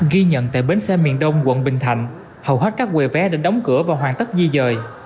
ghi nhận tại bến xe miền đông quận bình thạnh hầu hết các quầy vé đều đóng cửa và hoàn tất di dời